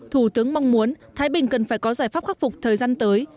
thủ tướng mong muốn thái bình cần phải có giải pháp khắc phục thời gian tới